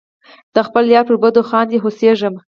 د خپل یار پر بدو خاندې او هوسیږم.